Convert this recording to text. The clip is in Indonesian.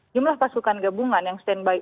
jumlah pasukan gabungan yang standby